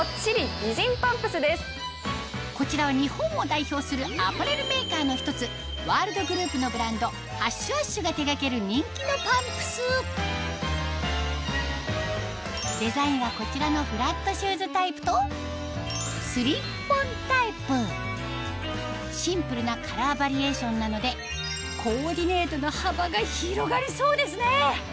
こちらは日本を代表するアパレルメーカーの１つワールドグループのブランドＨｕｓＨｕｓＨが手掛ける人気のパンプスデザインはこちらのシンプルなカラーバリエーションなのでコーディネートの幅が広がりそうですね